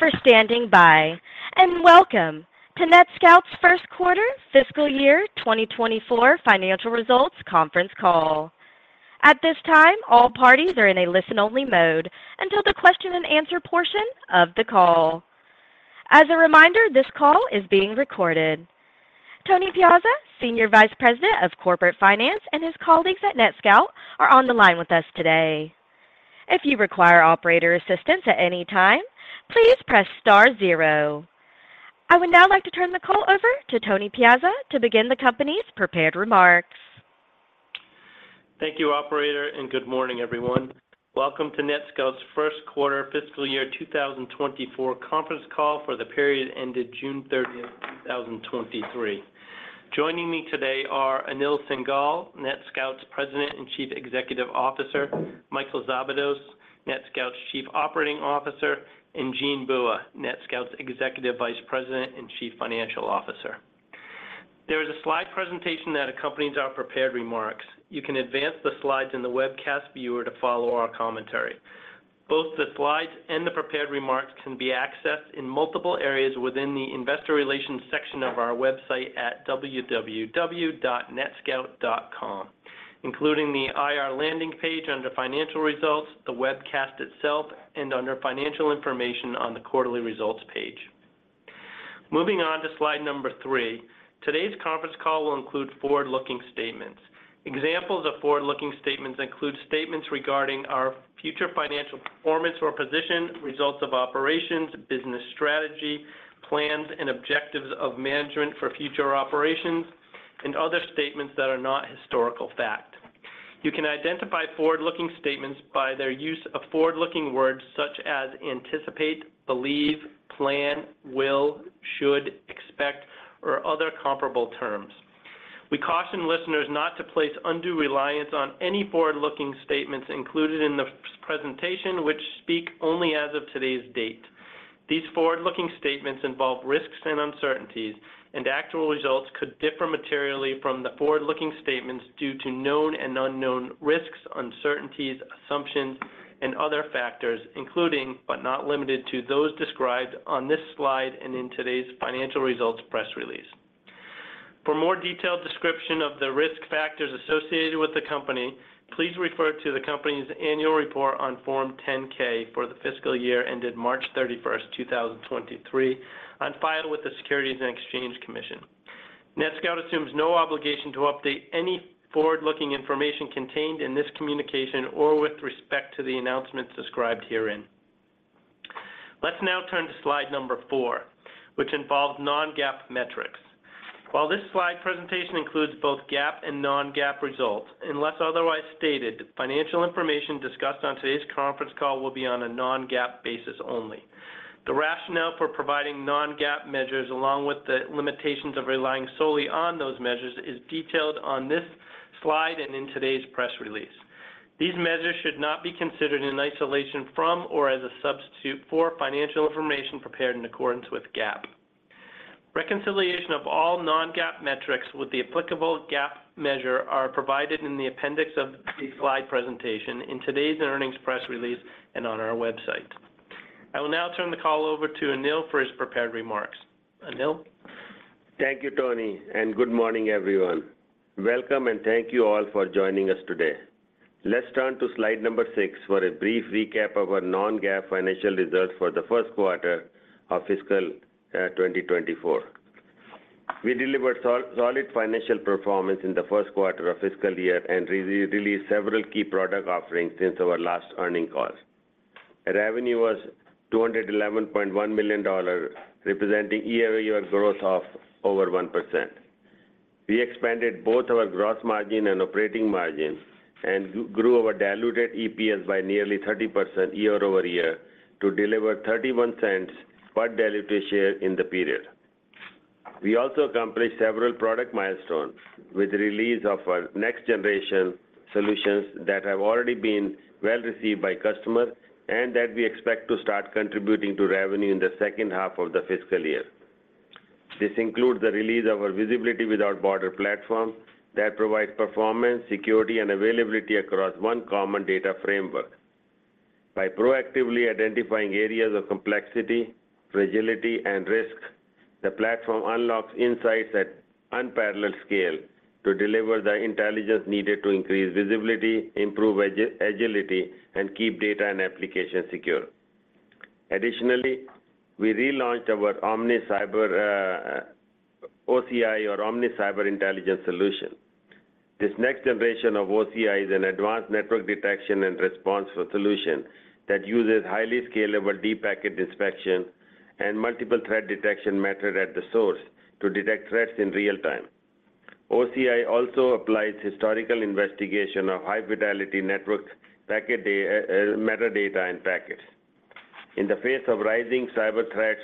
Thank you for standing by, welcome to NETSCOUT's first quarter fiscal year 2024 financial results conference call. At this time, all parties are in a listen-only mode until the Q&A portion of the call. As a reminder, this call is being recorded. Tony Piazza, Senior Vice President of Corporate Finance, and his colleagues at NETSCOUT, are on the line with us today. If you require operator assistance at any time, please press star zero. I would now like to turn the call over to Tony Piazza to begin the company's prepared remarks. Thank you, operator. Good morning, everyone. Welcome to NETSCOUT's first quarter fiscal year 2024 conference call for the period ended June 30, 2023. Joining me today are Anil Singhal, NETSCOUT's President and Chief Executive Officer, Michael Szabados, NETSCOUT's Chief Operating Officer, and Jean Bua, NETSCOUT's Executive Vice President and Chief Financial Officer. There is a slide presentation that accompanies our prepared remarks. You can advance the slides in the webcast viewer to follow our commentary. Both the slides and the prepared remarks can be accessed in multiple areas within the investor relations section of our website at www.netscout.com, including the IR landing page under financial results, the webcast itself, and under financial information on the quarterly results page. Moving on to slide number three, today's conference call will include forward-looking statements. Examples of forward-looking statements include statements regarding our future financial performance or position, results of operations, business strategy, plans and objectives of management for future operations, and other statements that are not historical fact. You can identify forward-looking statements by their use of forward-looking words such as anticipate, believe, plan, will, should, expect, or other comparable terms. We caution listeners not to place undue reliance on any forward-looking statements included in the presentation, which speak only as of today's date. These forward-looking statements involve risks and uncertainties, and actual results could differ materially from the forward-looking statements due to known and unknown risks, uncertainties, assumptions, and other factors, including, but not limited to, those described on this slide and in today's financial results press release. For more detailed description of the risk factors associated with the company, please refer to the company's annual report on Form 10-K for the fiscal year ended March 31st, 2023, on file with the Securities and Exchange Commission. NETSCOUT assumes no obligation to update any forward-looking information contained in this communication, or with respect to the announcements described herein. Let's now turn to slide number four, which involves non-GAAP metrics. While this slide presentation includes both GAAP and non-GAAP results, unless otherwise stated, financial information discussed on today's conference call will be on a non-GAAP basis only. The rationale for providing non-GAAP measures, along with the limitations of relying solely on those measures, is detailed on this slide and in today's press release. These measures should not be considered in isolation from, or as a substitute for, financial information prepared in accordance with GAAP. Reconciliation of all non-GAAP metrics with the applicable GAAP measure are provided in the appendix of the slide presentation in today's earnings press release and on our website. I will now turn the call over to Anil for his prepared remarks. Anil? Thank you, Tony. Good morning, everyone. Welcome. Thank you all for joining us today. Let's turn to slide number six for a brief recap of our non-GAAP financial results for the first quarter of fiscal 2024. We delivered solid financial performance in the first quarter of fiscal year and released several key product offerings since our last earning call. Our revenue was $211.1 million, representing year-over-year growth of over 1%. We expanded both our gross margin and operating margin. Grew our diluted EPS by nearly 30% year-over-year, to deliver $0.31 per diluted share in the period. We also accomplished several product milestones, with the release of our next-generation solutions that have already been well-received by customers, that we expect to start contributing to revenue in the second half of the fiscal year. This includes the release of our Visibility Without Borders platform that provides performance, security, and availability across one common data framework. By proactively identifying areas of complexity, fragility, and risk, the platform unlocks insights at unparalleled scale to deliver the intelligence needed to increase visibility, improve agility, and keep data and applications secure. Additionally, we relaunched our Omnis Cyber, OCI, or Omnis Cyber Intelligence solution. This next generation of OCI is an advanced network detection and response solution that uses highly scalable deep packet inspection and multiple threat detection methods at the source to detect threats in real time. OCI also applies historical investigation of high-fidelity network packet metadata and packets. In the face of rising cyber threats,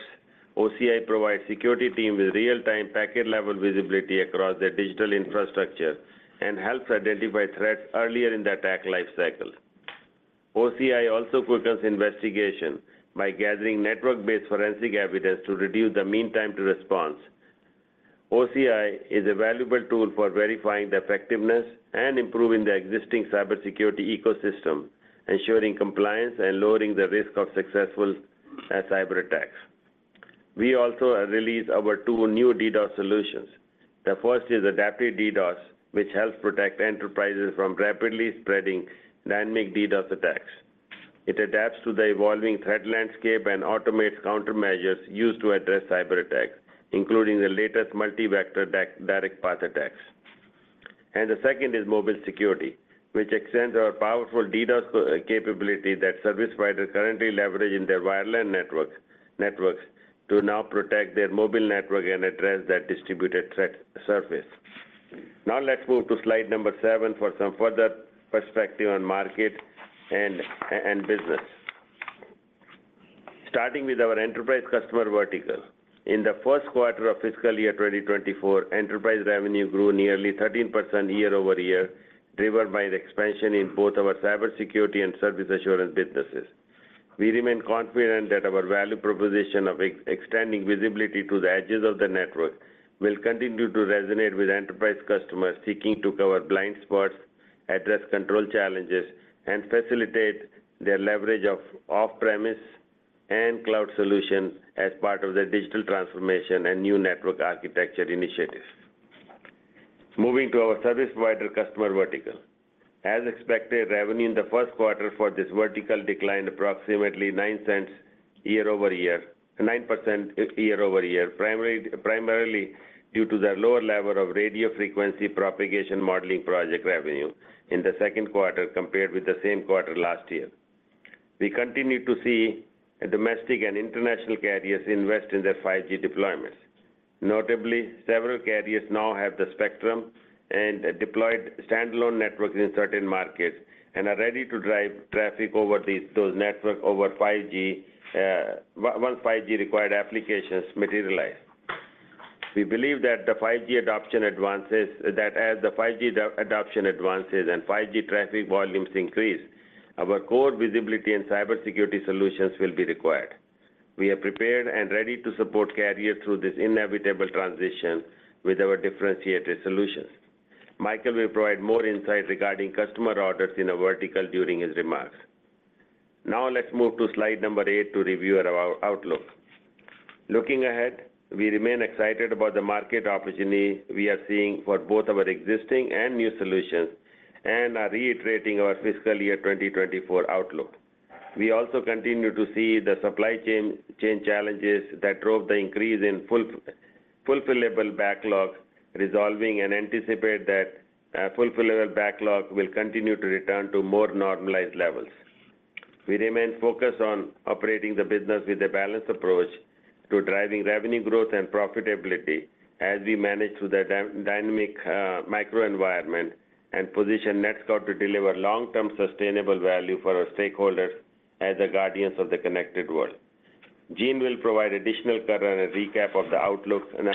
OCI provides security teams with real-time, packet-level visibility across their digital infrastructure and helps identify threats earlier in the attack lifecycle. OCI also quickens investigation by gathering network-based forensic evidence to reduce the mean time to response. OCI is a valuable tool for verifying the effectiveness and improving the existing cybersecurity ecosystem, ensuring compliance and lowering the risk of successful cyber attacks. We also have released our two new DDoS solutions. The first is Adaptive DDoS, which helps protect enterprises from rapidly spreading dynamic DDoS attacks. It adapts to the evolving threat landscape and automates countermeasures used to address cyber attacks, including the latest multi-vector direct-path attacks. The second is mobile security, which extends our powerful DDoS capability that service providers currently leverage in their WLAN network to now protect their mobile network and address that distributed threat surface. Let's move to slide number seven for some further perspective on market and business. Starting with our enterprise customer vertical. In the first quarter of fiscal year 2024, enterprise revenue grew nearly 13% year-over-year, driven by the expansion in both our cybersecurity and service assurance businesses. We remain confident that our value proposition of extending visibility to the edges of the network will continue to resonate with enterprise customers seeking to cover blind spots, address control challenges, and facilitate their leverage of off-premise and cloud solutions as part of their digital transformation and new network architecture initiatives. Moving to our service provider customer vertical. As expected, revenue in the first quarter for this vertical declined approximately 9% year-over-year, primarily due to the lower level of radio frequency propagation modeling project revenue in the second quarter, compared with the same quarter last year. We continue to see domestic and international carriers invest in their 5G deployments. Notably, several carriers now have the spectrum and deployed standalone networks in certain markets, and are ready to drive traffic over those networks over 5G, 5G required applications materialize. We believe that as the 5G adoption advances and 5G traffic volumes increase, our core visibility and cybersecurity solutions will be required. We are prepared and ready to support carriers through this inevitable transition with our differentiated solutions. Michael will provide more insight regarding customer orders in our vertical during his remarks. Now, let's move to slide number eight to review our outlook. Looking ahead, we remain excited about the market opportunity we are seeing for both our existing and new solutions, and are reiterating our fiscal year 2024 outlook. We also continue to see the supply chain challenges that drove the increase in fulfillable backlog resolving, and anticipate that fulfillable backlog will continue to return to more normalized levels. We remain focused on operating the business with a balanced approach to driving revenue growth and profitability as we manage through the dynamic microenvironment, and position NETSCOUT to deliver long-term sustainable value for our stakeholders as the guardians of the connected world. Jean will provide additional color and a recap of the outlook and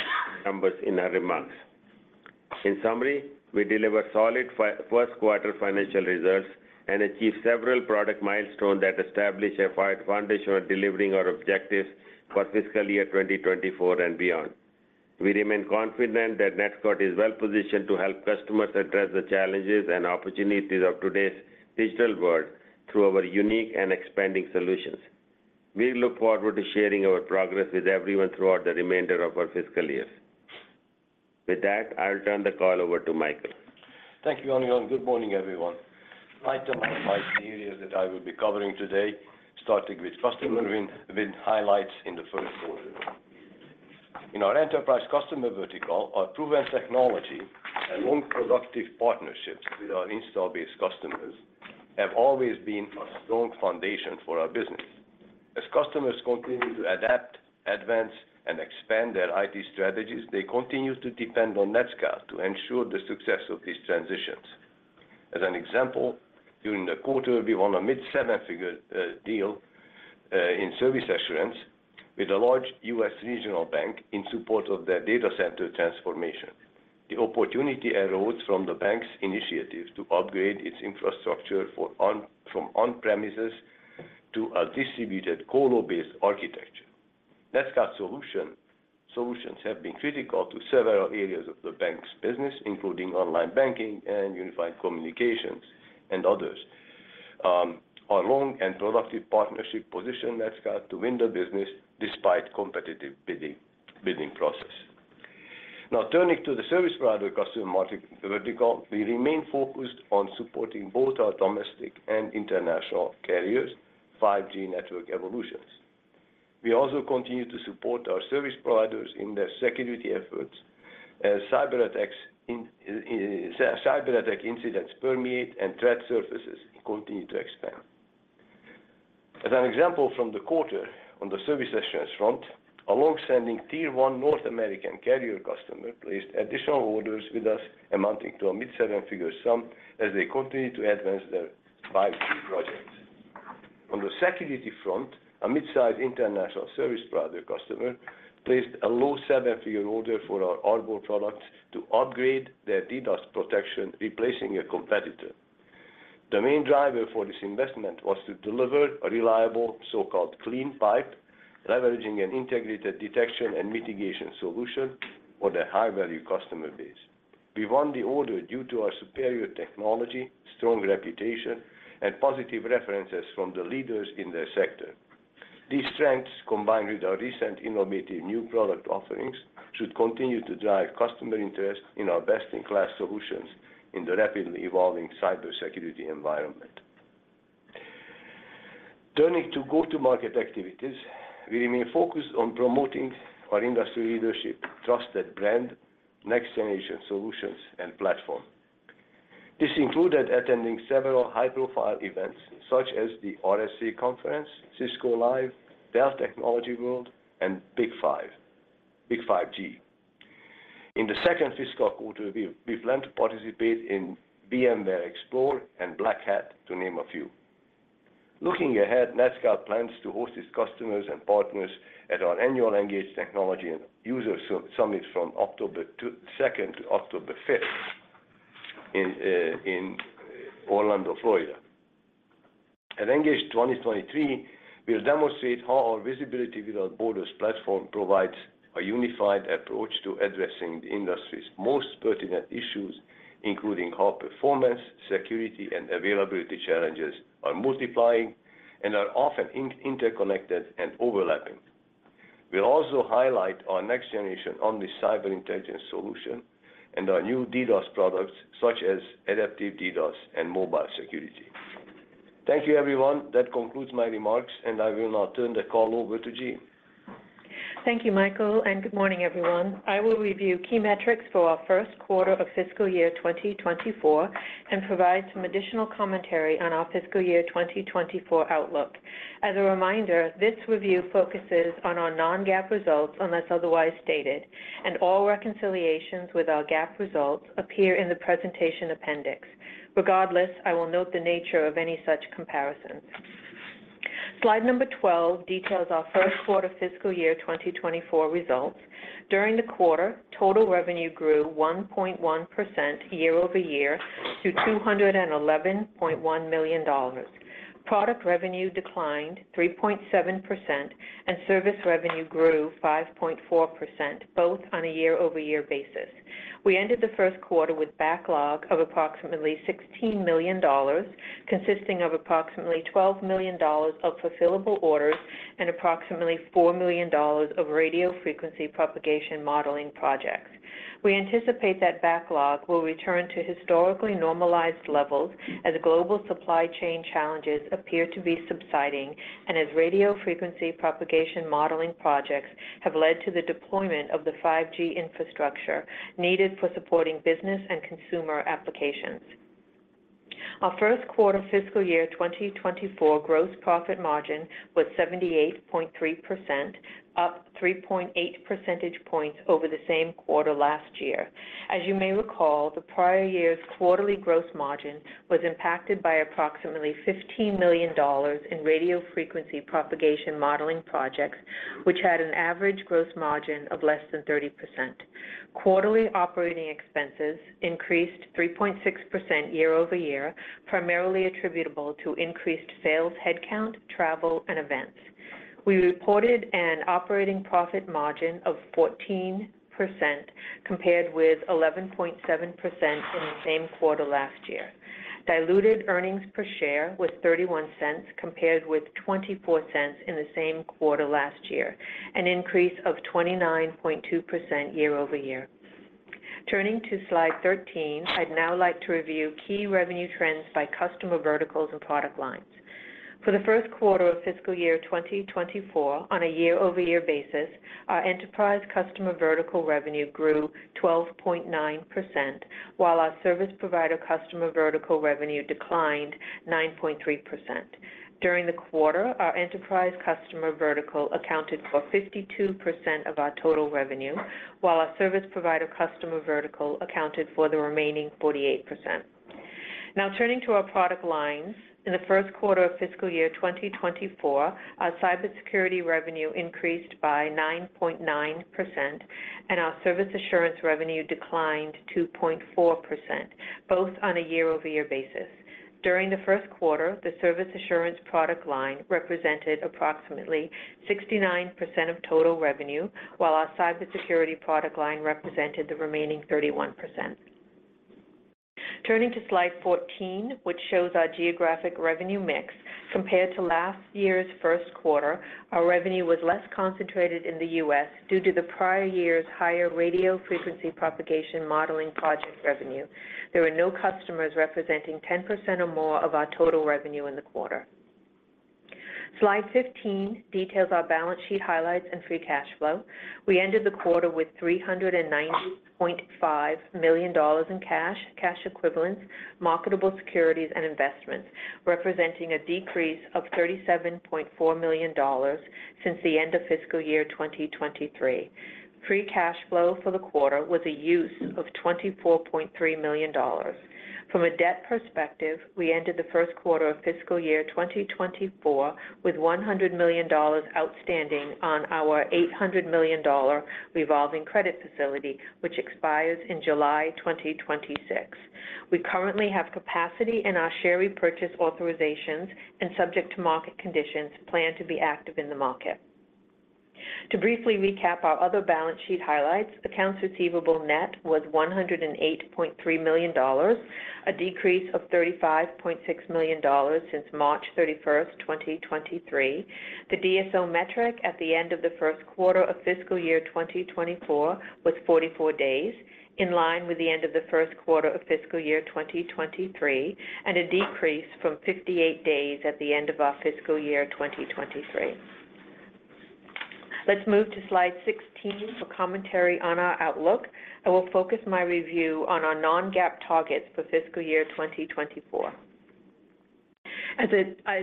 numbers in our remarks. In summary, we delivered solid first quarter financial results and achieved several product milestones that establish a firm foundation on delivering our objectives for fiscal year 2024 and beyond. We remain confident that NETSCOUT is well positioned to help customers address the challenges and opportunities of today's digital world through our unique and expanding solutions. We look forward to sharing our progress with everyone throughout the remainder of our fiscal year. With that, I'll turn the call over to Michael. Thank you, Anil. Good morning, everyone. I'd like to highlight the areas that I will be covering today, starting with customer win highlights in the first quarter. In our enterprise customer vertical, our proven technology and long, productive partnerships with our install-based customers have always been a strong foundation for our business. As customers continue to adapt, advance, and expand their IT strategies, they continue to depend on NETSCOUT to ensure the success of these transitions. As an example, during the quarter, we won a mid-seven-figure deal in service assurance with a large US regional bank in support of their data center transformation. The opportunity arose from the bank's initiative to upgrade its infrastructure from on-premises to a distributed colo-based architecture. NETSCOUT solutions have been critical to several areas of the bank's business, including online banking and unified communications and others. Our long and productive partnership positioned NETSCOUT to win the business despite competitive bidding process. Now, turning to the service provider customer market vertical, we remain focused on supporting both our domestic and international carriers' 5G network evolutions. We also continue to support our service providers in their security efforts as cyberattack incidents permeate and threat surfaces continue to expand. As an example, from the quarter on the service assurance front, a long-standing Tier 1 North American carrier customer placed additional orders with us amounting to a mid-seven-figure sum as they continue to advance their 5G projects. On the security front, a mid-sized international service provider customer placed a low seven-figure order for our Arbor product to upgrade their DDoS protection, replacing a competitor. The main driver for this investment was to deliver a reliable, so-called clean pipe, leveraging an integrated detection and mitigation solution for their high-value customer base. We won the order due to our superior technology, strong reputation, and positive references from the leaders in their sector. These strengths, combined with our recent innovative new product offerings, should continue to drive customer interest in our best-in-class solutions in the rapidly evolving cybersecurity environment. Turning to go-to-market activities, we remain focused on promoting our industry leadership, trusted brand, next-generation solutions, and platform. This included attending several high-profile events, such as the RSA Conference, Cisco Live, Dell Technologies World, and Big 5G. In the second fiscal quarter, we plan to participate in VMware Explore and Black Hat, to name a few. Looking ahead, NETSCOUT plans to host its customers and partners at our annual Engage Technology and User Summit from October 2nd to October 5th in Orlando, Florida. At Engage 2023, we'll demonstrate how our Visibility Without Borders platform provides a unified approach to addressing the industry's most pertinent issues, including how performance, security, and availability challenges are multiplying and are often interconnected and overlapping. We'll also highlight our next generation Omnis Cyber Intelligence solution and our new DDoS products, such as Adaptive DDoS and mobile security. Thank you, everyone. That concludes my remarks, and I will now turn the call over to Jean. Thank you, Michael. Good morning, everyone. I will review key metrics for our first quarter of fiscal year 2024 and provide some additional commentary on our fiscal year 2024 outlook. As a reminder, this review focuses on our non-GAAP results, unless otherwise stated, and all reconciliations with our GAAP results appear in the presentation appendix. Regardless, I will note the nature of any such comparisons. Slide number 12 details our first quarter fiscal year 2024 results. During the quarter, total revenue grew 1.1% year-over-year to $211.1 million. Product revenue declined 3.7%, and service revenue grew 5.4%, both on a year-over-year basis. We ended the first quarter with backlog of approximately $16 million, consisting of approximately $12 million of fulfillable orders and approximately $4 million of radio frequency propagation modeling projects. We anticipate that backlog will return to historically normalized levels as global supply chain challenges appear to be subsiding and as radio frequency propagation modeling projects have led to the deployment of the 5G infrastructure needed for supporting business and consumer applications. Our first quarter fiscal year 2024 gross profit margin was 78.3%, up 3.8 percentage points over the same quarter last year. As you may recall, the prior year's quarterly gross margin was impacted by approximately $15 million in radio frequency propagation modeling projects, which had an average gross margin of less than 30%. Quarterly operating expenses increased 3.6% year-over-year, primarily attributable to increased sales, headcount, travel, and events. We reported an operating profit margin of 14%, compared with 11.7% in the same quarter last year. Diluted earnings per share was $0.31, compared with $0.24 in the same quarter last year, an increase of 29.2% year-over-year. Turning to Slide 13, I'd now like to review key revenue trends by customer verticals and product lines. For the first quarter of fiscal year 2024, on a year-over-year basis, our enterprise customer vertical revenue grew 12.9%, while our service provider customer vertical revenue declined 9.3%. During the quarter, our enterprise customer vertical accounted for 52% of our total revenue, while our service provider customer vertical accounted for the remaining 48%. Turning to our product lines. In the first quarter of fiscal year 2024, our cybersecurity revenue increased by 9.9%, our service assurance revenue declined 2.4%, both on a year-over-year basis. During the first quarter, the service assurance product line represented approximately 69% of total revenue, while our cybersecurity product line represented the remaining 31%. Turning to Slide 14, which shows our geographic revenue mix. Compared to last year's first quarter, our revenue was less concentrated in the US due to the prior year's higher radio frequency propagation modeling project revenue. There were no customers representing 10% or more of our total revenue in the quarter. Slide 15 details our balance sheet highlights and free cash flow. We ended the quarter with $390.5 million in cash, cash equivalents, marketable securities, and investments, representing a decrease of $37.4 million since the end of fiscal year 2023. Free cash flow for the quarter was a use of $24.3 million. From a debt perspective, we ended the first quarter of fiscal year 2024 with $100 million outstanding on our $800 million revolving credit facility, which expires in July 2026. We currently have capacity in our share repurchase authorizations, and subject to market conditions, plan to be active in the market. To briefly recap our other balance sheet highlights, accounts receivable net was $108.3 million, a decrease of $35.6 million since March 31, 2023. The DSO metric at the end of the first quarter of fiscal year 2024 was 44 days, in line with the end of the first quarter of fiscal year 2023, and a decrease from 58 days at the end of our fiscal year 2023. Let's move to slide 16 for commentary on our outlook. I will focus my review on our non-GAAP targets for fiscal year 2024. As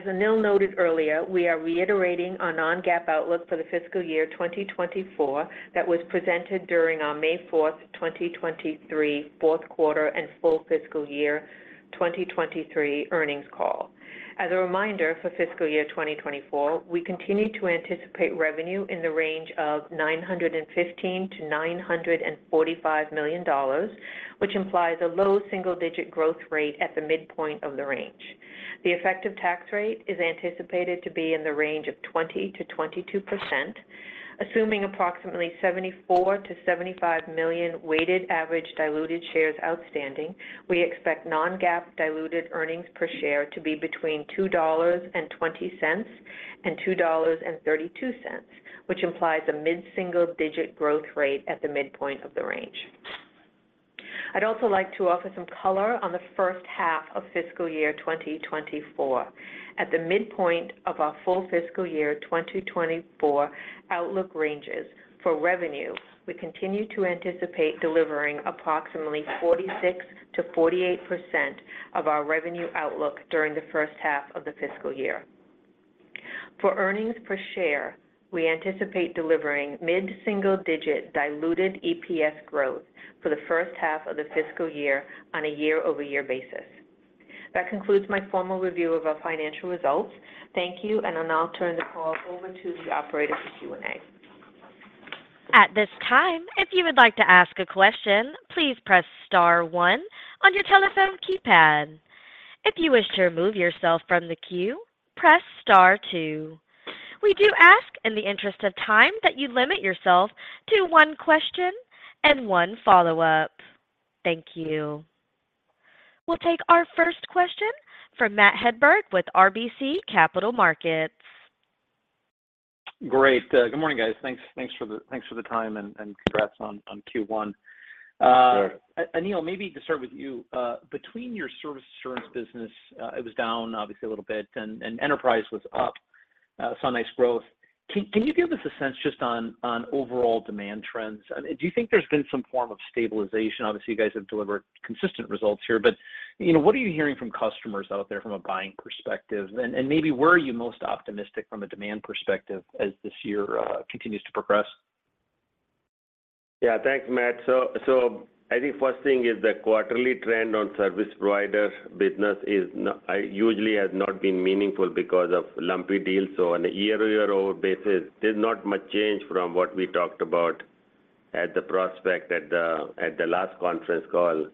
Anil noted earlier, we are reiterating our non-GAAP outlook for the fiscal year 2024 that was presented during our May 4, 2023, fourth quarter and full fiscal year 2023 earnings call. As a reminder, for fiscal year 2024, we continue to anticipate revenue in the range of $915 million-$945 million, which implies a low single-digit growth rate at the midpoint of the range. The effective tax rate is anticipated to be in the range of 20%-22%, assuming approximately 74 million-75 million weighted average diluted shares outstanding. We expect non-GAAP diluted earnings per share to be between $2.20 and $2.32, which implies a mid-single digit growth rate at the midpoint of the range. I'd also like to offer some color on the first half of fiscal year 2024. At the midpoint of our full fiscal year 2024 outlook ranges for revenue, we continue to anticipate delivering approximately 46%-48% of our revenue outlook during the first half of the fiscal year. For earnings per share, we anticipate delivering mid-single digit diluted EPS growth for the first half of the fiscal year on a year-over-year basis. That concludes my formal review of our financial results. Thank you, and I'll now turn the call over to the operator for Q&A. At this time, if you would like to ask a question, please press star one on your telephone keypad. If you wish to remove yourself from the queue, press star two. We do ask, in the interest of time, that you limit yourself to one question and one follow-up. Thank you. We'll take our first question from Matt Hedberg with RBC Capital Markets. Great. Good morning, guys. Thanks for the time and congrats on Q1. Sure. Anil, maybe to start with you, between your service assurance business, it was down obviously a little bit, and enterprise was up, saw nice growth. Can you give us a sense just on overall demand trends? Do you think there's been some form of stabilization? Obviously, you guys have delivered consistent results here, but, you know, what are you hearing from customers out there from a buying perspective? Maybe where are you most optimistic from a demand perspective as this year continues to progress? Thanks, Matt. I think first thing is the quarterly trend on service provider business is usually has not been meaningful because of lumpy deals. On a year-over-year basis, there's not much change from what we talked about at the last conference call.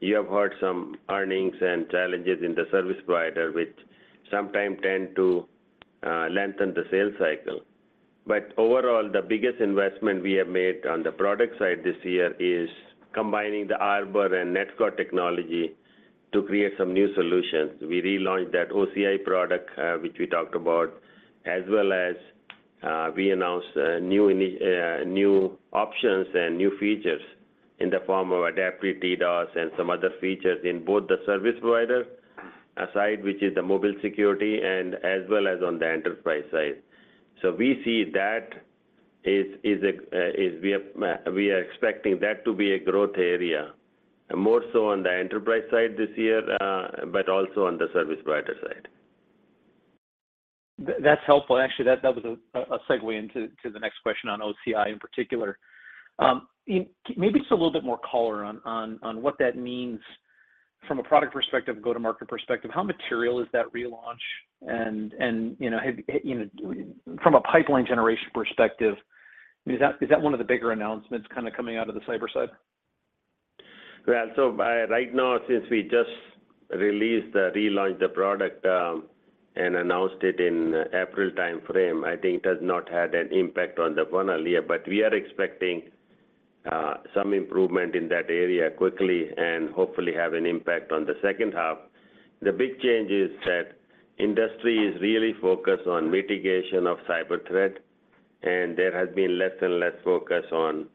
You have heard some earnings and challenges in the service provider, which sometimes tend to lengthen the sales cycle. Overall, the biggest investment we have made on the product side this year is combining the Arbor and NETSCOUT technology to create some new solutions. We relaunched that OCI product, which we talked about, as well as, we announced, new options and new features in the form of Adaptive DDoS and some other features in both the service provider side, which is the Mobile Security, and as well as on the enterprise side. We see that is a we are expecting that to be a growth area, more so on the enterprise side this year, but also on the service provider side. That's helpful. Actually, that was a segue into the next question on OCI in particular. Maybe just a little bit more color on what that means from a product perspective, go-to-market perspective. How material is that relaunch? You know, from a pipeline generation perspective, is that one of the bigger announcements kind of coming out of the cyber side? Yeah. By right now, since we just relaunched the product and announced it in April timeframe, I think it has not had an impact on the front earlier, but we are expecting some improvement in that area quickly and hopefully have an impact on the second half. The big change is that industry is really focused on mitigation of cyber threat, and there has been less and less focus on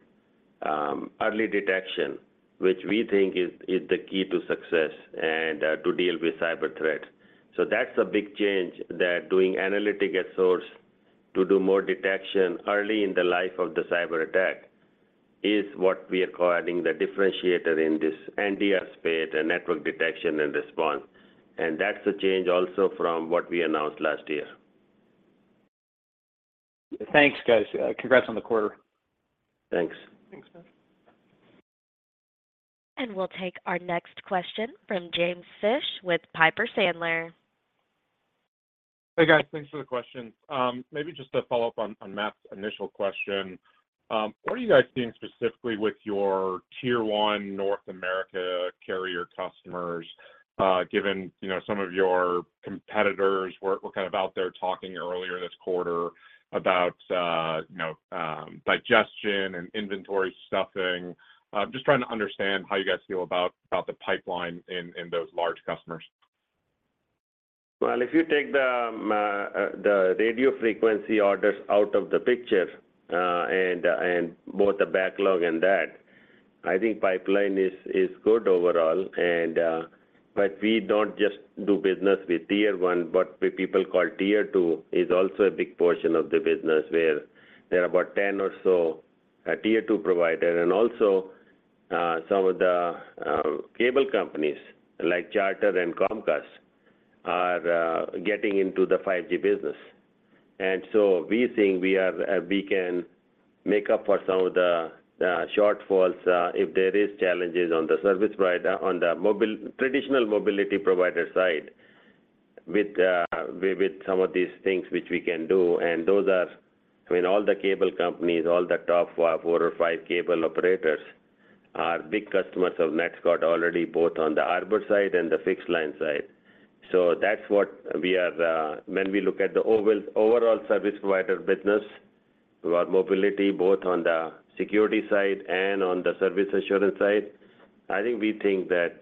early detection, which we think is the key to success and to deal with cyber threat. That's a big change, that doing analytic at source to do more detection early in the life of the cyberattack, is what we are calling the differentiator in this NDR space and network detection and response. That's the change also from what we announced last year. Thanks, guys. Congrats on the quarter. Thanks. Thanks, Matt. We'll take our next question from James Fish with Piper Sandler. Hey, guys. Thanks for the question. Maybe just to follow up on Matt's initial question, what are you guys seeing specifically with your Tier 1 North American carrier customers, given, you know, some of your competitors were kind of out there talking earlier this quarter about, you know, digestion and inventory stuffing? Just trying to understand how you guys feel about the pipeline in those large customers. If you take the radio frequency orders out of the picture, and both the backlog and that, I think pipeline is good overall. We don't just do business with Tier 1, but with people call Tier 2 is also a big portion of the business, where there are about 10 or so Tier 2 provider. Also, some of the cable companies, like Charter and Comcast, are getting into the 5G business. We think we can make up for some of the shortfalls, if there is challenges on the service provider, on the traditional mobility provider side, with some of these things which we can do. Those are between all the cable companies, all the top four or five cable operators, are big customers of NETSCOUT already, both on the Arbor side and the fixed line side. That's what we are when we look at the overall service provider business, about mobility, both on the security side and on the service assurance side, I think we think that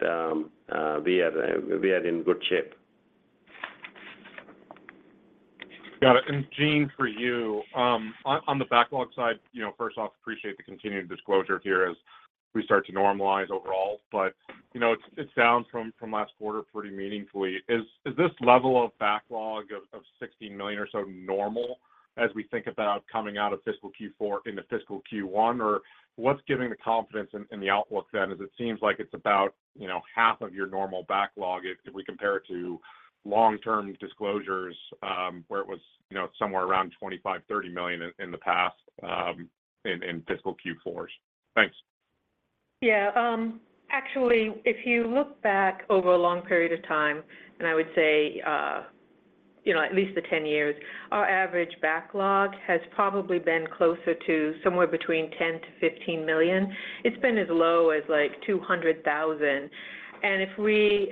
we are in good shape. Got it. Jean, for you, on the backlog side, you know, first off, appreciate the continued disclosure here as we start to normalize overall. You know, it's down from last quarter pretty meaningfully. Is this level of backlog of $16 million or so normal as we think about coming out of fiscal Q4 into fiscal Q1? What's giving the confidence in the outlook then, as it seems like it's about, you know, half of your normal backlog if we compare it to long-term disclosures, where it was, you know, somewhere around $25 million-$30 million in the past, in fiscal Q4s? Thanks. Yeah. Actually, if you look back over a long period of time, and I would say, you know, at least the 10 years, our average backlog has probably been closer to somewhere between $10 million-$15 million. It's been as low as, like, $200,000.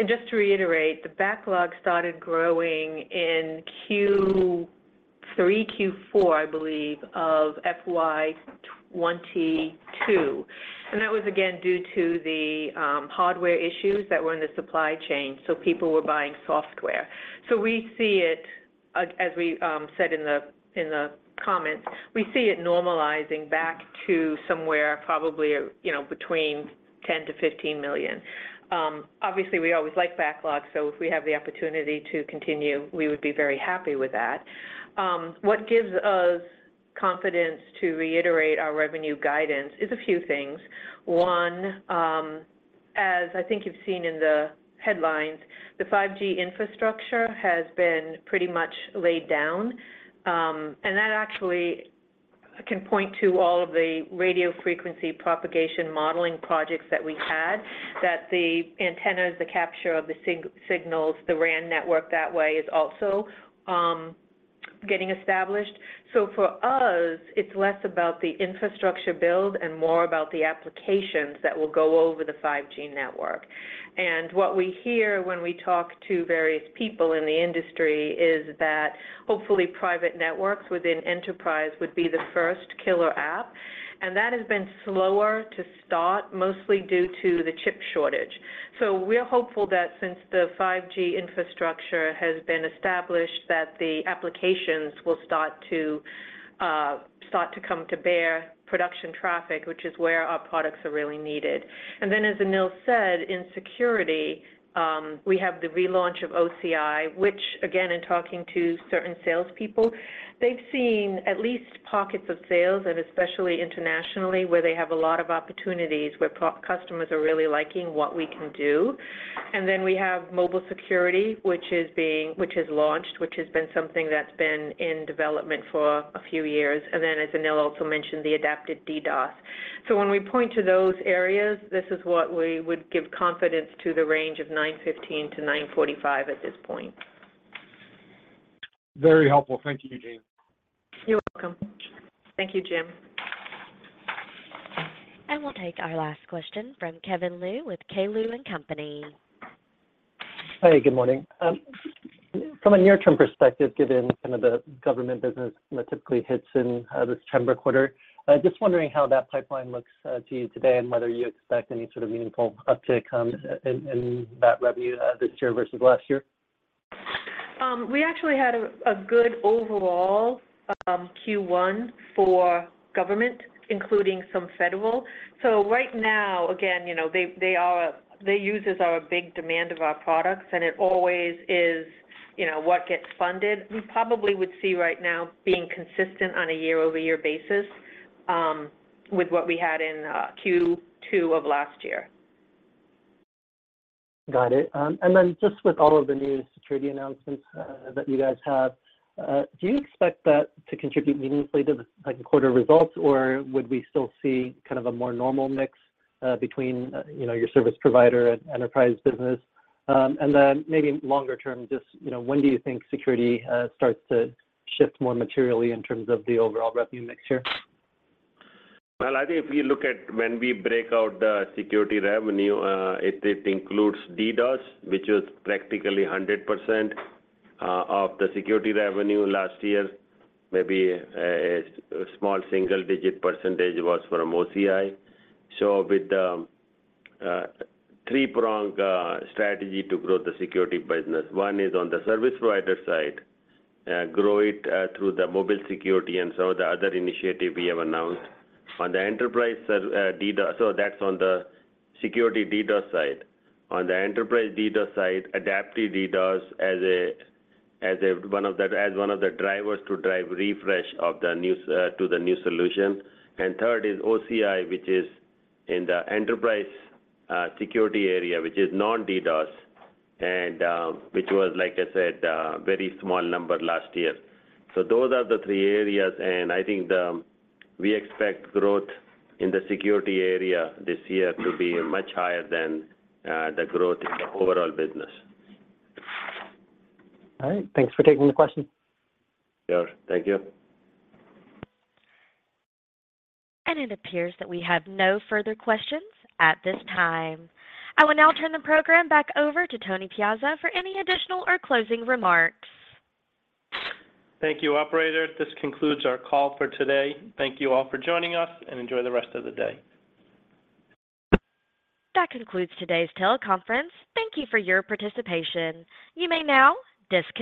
Just to reiterate, the backlog started growing in Q3, Q4, I believe, of FY 2022, and that was again due to the hardware issues that were in the supply chain, so people were buying software. We see it, as we said in the comments, we see it normalizing back to somewhere probably, you know, between $10 million-$15 million. Obviously, we always like backlogs. If we have the opportunity to continue, we would be very happy with that. What gives us confidence to reiterate our revenue guidance is a few things. One, as I think you've seen in the headlines, the 5G infrastructure has been pretty much laid down. That actually can point to all of the radio frequency propagation modeling projects that we had, that the antennas, the capture of the signals, the RAN network that way is also getting established. For us, it's less about the infrastructure build and more about the applications that will go over the 5G network. What we hear when we talk to various people in the industry is that hopefully private networks within enterprise would be the first killer app, and that has been slower to start, mostly due to the chip shortage. We're hopeful that since the 5G infrastructure has been established, that the applications will start to come to bear production traffic, which is where our products are really needed. Then, as Anil said, in security, we have the relaunch of OCI, which again, in talking to certain salespeople, they've seen at least pockets of sales, and especially internationally, where they have a lot of opportunities, where customers are really liking what we can do. Then we have mobile security, which is launched, which has been something that's been in development for a few years, and then, as Anil also mentioned, the Adaptive DDoS. When we point to those areas, this is what we would give confidence to the range of $9.15-$9.45 at this point. Very helpful. Thank you, Jean. You're welcome. Thank you, James. We'll take our last question from Kevin Liu with K. Liu & Company. Hi, good morning. From a near-term perspective, given some of the government business that typically hits in the September quarter, just wondering how that pipeline looks to you today, and whether you expect any sort of meaningful uptick in that revenue this year versus last year? We actually had a good overall Q1 for government, including some federal. Right now, again, you know, the users are a big demand of our products, and it always is, you know, what gets funded. We probably would see right now being consistent on a year-over-year basis with what we had in Q2 of last year. Got it. Just with all of the new security announcements that you guys have, do you expect that to contribute meaningfully to the, like, the quarter results? Or would we still see kind of a more normal mix between, you know, your service provider and enterprise business? Maybe longer term, just, you know, when do you think security starts to shift more materially in terms of the overall revenue mixture? Well, I think if you look at when we break out the security revenue, it includes DDoS, which is practically 100% of the security revenue last year. Maybe a small single-digit percentage was for OCI. With the three-prong strategy to grow the security business, one is on the service provider side, grow it through the mobile security and some of the other initiatives we have announced. On the enterprise DDoS, so that's on the security DDoS side. On the enterprise DDoS side, Adaptive DDoS as one of the drivers to drive refresh of the new solution. Third is OCI, which is in the enterprise security area, which is non-DDoS, and which was, like I said, a very small number last year. Those are the three areas, and I think, we expect growth in the security area this year to be much higher than the growth in the overall business. All right. Thanks for taking the question. Sure. Thank you. It appears that we have no further questions at this time. I will now turn the program back over to Tony Piazza for any additional or closing remarks. Thank you, operator. This concludes our call for today. Thank you all for joining us, and enjoy the rest of the day. That concludes today's teleconference. Thank you for your participation. You may now disconnect.